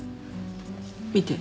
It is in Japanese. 見て。